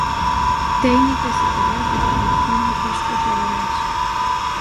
Técnico superior de prevención de riscos laborais.